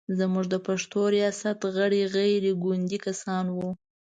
زموږ د پښتو ریاست غړي غیر ګوندي کسان و.